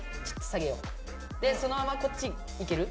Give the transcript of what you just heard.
でそのままこっち行ける？